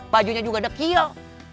pajunya juga dekil